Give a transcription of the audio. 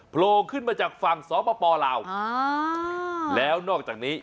โผล่ขึ้นมาจากฝั่งสปลาวอ่าแล้วนอกจากนี้